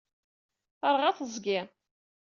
Terɣa teẓgi.